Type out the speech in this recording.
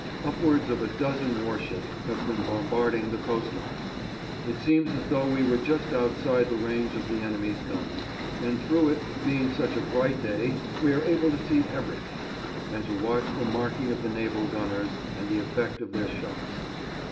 Upwards of a dozen warships have been bombarding the coast line. It seems as though we were just outside the range of the enemy's guns, and through it being such a bright day we are able to see everything, and to watch the marking of the naval gunners and the effect of their shots.